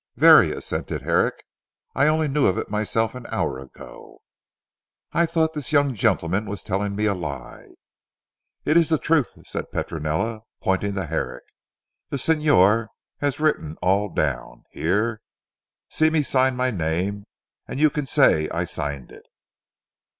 "Very," assented Herrick, "I only knew of it myself an hour ago." "I thought this young gentleman was telling me a lie." "It is the truth," said Petronella pointing to Herrick, "the Signor has written all down. Here, see me sign my name, and you can say I signed it."